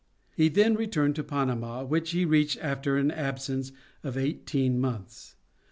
He then returned to Panama, which he reached after an absence of eighteen months.